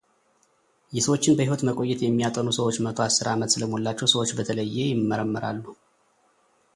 የሰዎችን በሕይወት መቆት የሚያጠኑ ሰዎች መቶ አስር ዓመት ስለሞላቸው ሰዎች በተለየ ይመራመራሉ።